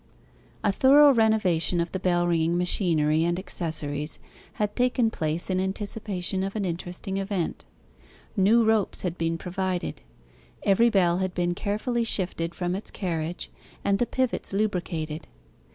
A thorough renovation of the bell ringing machinery and accessories had taken place in anticipation of an interesting event. New ropes had been provided; every bell had been carefully shifted from its carriage, and the pivots lubricated.